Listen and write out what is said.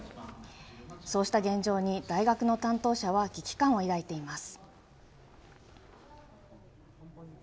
そうした現状に、大学の担当者は危機感を抱いています。